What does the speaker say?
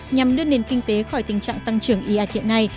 nhằm đưa nền kinh tế khỏi tình trạng tăng trưởng y a thiện này